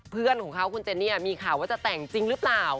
เพื่อนของเขาคุณเจนี่มีข่าวว่าจะแต่งจริงหรือเปล่า